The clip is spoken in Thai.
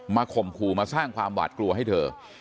ข่มขู่มาสร้างความหวาดกลัวให้เธอ